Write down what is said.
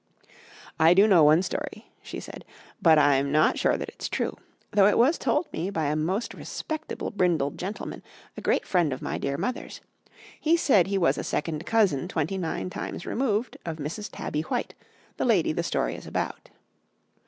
"I do know one story," she said; "but I'm not sure that it's true, though it was told me by a most respectable brindled gentleman, a great friend of my dear mother's. He said he was a second cousin twenty nine times removed of Mrs. Tabby White, the lady the story is about."